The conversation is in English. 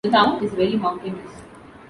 The town is very mountainous.